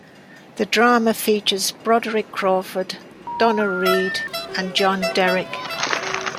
The drama features Broderick Crawford, Donna Reed and John Derek.